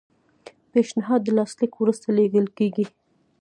پیشنهاد د لاسلیک وروسته لیږل کیږي.